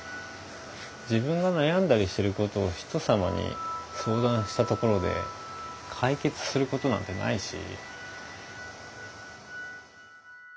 自分が悩んだりしてることを人様に相談したところで解決することなんてないし。